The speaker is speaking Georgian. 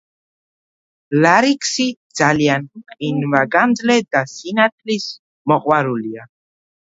ლარიქსი ძალიან ყინვაგამძლე და სინათლის მოყვარულია.